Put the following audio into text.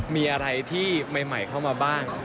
มีอะไรที่ใหม่เข้ามาบ้าง